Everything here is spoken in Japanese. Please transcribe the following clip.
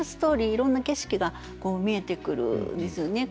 いろんな景色が見えてくるんですよね。